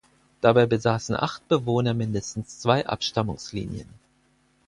Dabei besaßen acht Bewohner mindestens zwei Abstammungslinien.